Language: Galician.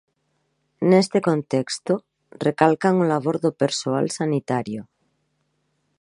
Neste contexto, recalcan o labor do persoal sanitario.